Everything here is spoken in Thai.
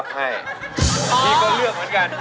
ใช่พี่ก็เลือกเหมือนกัน